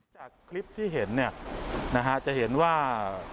จากคลิปที่เห็นจะเห็นว่า